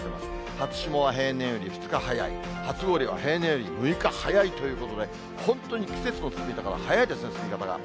初霜は平年より２日早い、初氷は平年より６日早いということで、本当に季節の進み方が早いですね、進み方が。